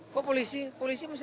kok polisi polisi misalnya